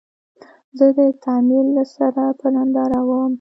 زه د تعمير له سره په ننداره ووم.